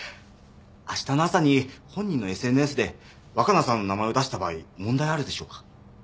あしたの朝に本人のＳＮＳで若菜さんの名前を出した場合問題あるでしょうか？